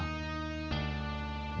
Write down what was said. jangan masuk dalam permainan